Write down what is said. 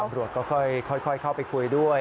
ตำรวจก็ค่อยเข้าไปคุยด้วย